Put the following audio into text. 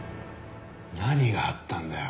何があったんだよ